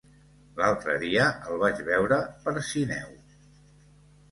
L'altre dia el vaig veure per Sineu.